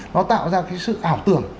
nó tạo ra cái sự ảo tưởng